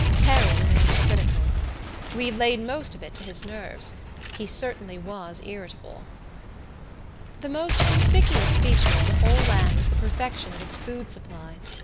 Terry remained critical. We laid most of it to his nerves. He certainly was irritable. The most conspicuous feature of the whole land was the perfection of its food supply.